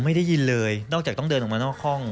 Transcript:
ได้ยินเลยนอกจากต้องเดินออกมานอกห้อง